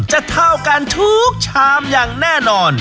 เท่ากันทุกชามอย่างแน่นอน